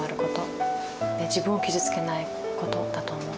で自分を傷つけないことだと思う。